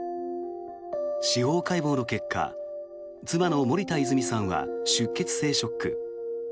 司法解剖の結果妻の森田泉さんは出血性ショック。